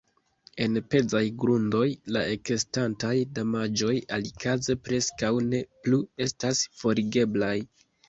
En pezaj grundoj la ekestantaj damaĝoj alikaze preskaŭ ne plu estas forigeblaj.